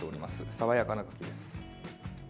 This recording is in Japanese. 爽やかなカキです。